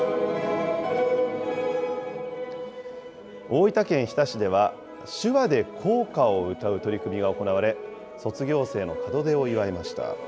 大分県日田市では、手話で校歌を歌う取り組みが行われ、卒業生の門出を祝いました。